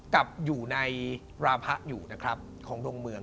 กับอยู่ในราพะอยู่นะครับของดวงเมือง